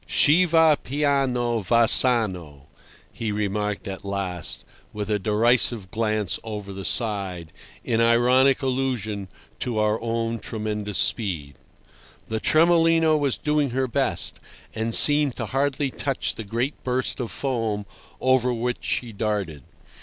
"Chi va piano va sano," he remarked at last, with a derisive glance over the side, in ironic allusion to our own tremendous speed. The Tremolino was doing her best, and seemed to hardly touch the great burst of foam over which she darted.